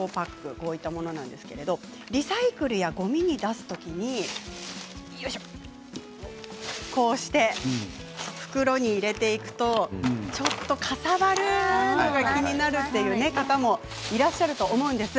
こういったものなんですけれどリサイクルや、ごみに出す時にこうして袋に入れていくとちょっとかさばるのが気になるという方もいらっしゃると思います。